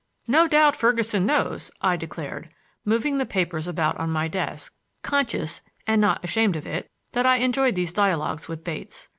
"No doubt Ferguson knows," I declared, moving the papers about on my desk, conscious, and not ashamed of it, that I enjoyed these dialogues with Bates.